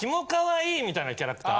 みたいなキャラクター。